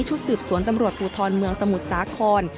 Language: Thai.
ชุดสืบสวนตำรวจภูทรเมืองสมุทรสาคร